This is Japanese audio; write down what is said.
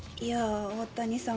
大谷さん